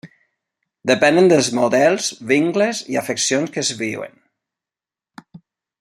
Depenen dels models, vincles i afeccions que es viuen.